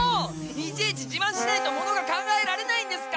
いちいちじまんしないとものが考えられないんですか？